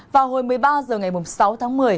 vào hồi một mươi ba h ngày sáu tháng một mươi